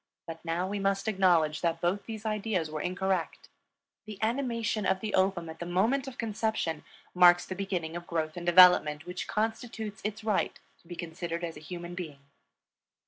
But now we must acknowledge that both these ideas were incorrect. The animation of the ovum at the moment of conception marks the beginning of growth and development which constitutes its right to be considered as a human being.